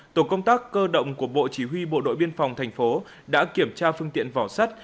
tổ công tác cơ động của bộ chỉ huy bộ đội biên phòng thành phố đã kiểm tra phương tiện vỏ sắt